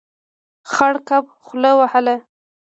خړ کب خوله وهله.